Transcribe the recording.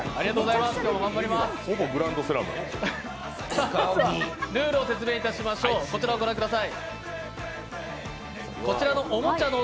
まずはルールを説明いたしましょう、こちらをご覧ください。